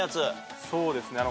そうですね。